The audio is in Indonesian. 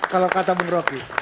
kalau kata bung roki